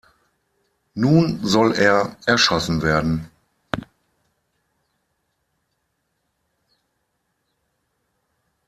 Nun soll er erschossen werden.